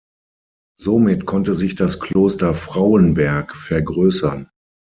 Somit konnte sich das Kloster Frauenberg vergrößern.